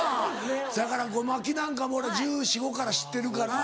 せやからゴマキなんかも俺１４１５から知ってるから。